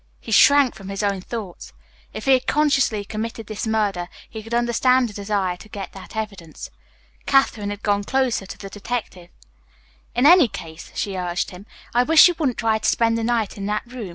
He shrank from his own thoughts. If he had consciously committed this murder he could understand a desire to get that evidence. Katherine had gone closer to the detective. "In any case," she urged him, "I wish you wouldn't try to spend the night in that room.